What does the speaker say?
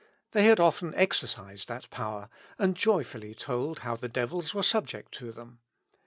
They had often exercised that power, and joyfully told how the devils were subject to them.